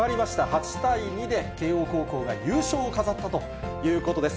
８対２で慶応高校が優勝を飾ったということです。